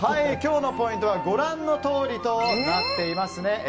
今日のポイントはご覧のとおりとなっていますね。